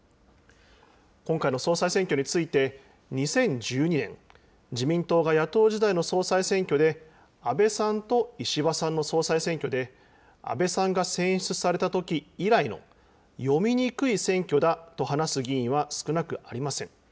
今回の総裁選挙について、２０１２年、自民党が野党時代の総裁選挙で安倍さんと石破さんの総裁選挙で、安倍さんが選出されたとき以来の読みにくい選挙だと話す議員は少なくありません。